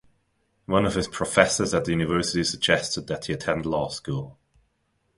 One of his professors at the university suggested that he attend law school.